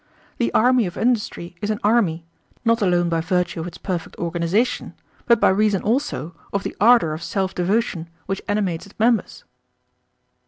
The army of industry is an army, not alone by virtue of its perfect organization, but by reason also of the ardor of self devotion which animates its members.